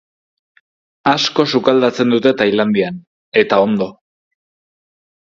Asko sukaldatzen dute thainlandian eta ondo.